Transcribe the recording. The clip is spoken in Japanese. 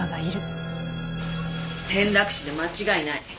転落死で間違いない。